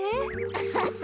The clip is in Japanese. アハハ。